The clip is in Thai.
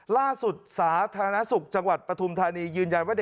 ล่าสุดสาธารณสุขจังหวัดปฐุมธานียืนยันว่า